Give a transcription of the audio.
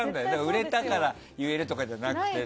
売れたから言えるとかじゃなくて。